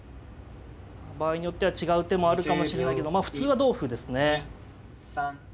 場合によっては違う手もあるかもしれないけどまあ普通は同歩ですね。